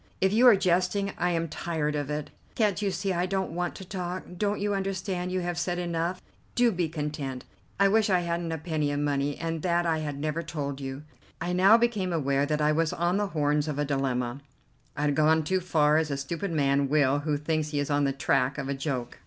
"If you are jesting, I am tired of it. Can't you see I don't want to talk. Don't you understand you have said enough? Do be content. I wish I hadn't a penny of money, and that I had never told you." I now became aware that I was on the horns of a dilemma; I had gone too far, as a stupid man will who thinks he is on the track of a joke.